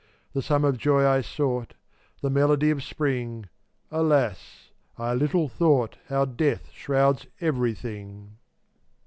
The sum of joy I sought, The melody of spring; Alas, I little thought How death shrouds everything.